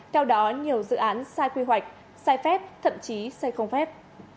theo đó nhiều dự án sai quy hoạch sai phép thậm chí xây không phép